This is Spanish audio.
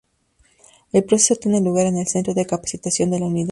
El proceso tiene lugar en el centro de capacitación de la unidad.